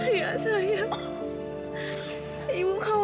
asli tak buka